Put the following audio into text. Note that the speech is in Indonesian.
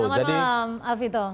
selamat malam alvito